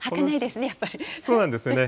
そうなんですよね。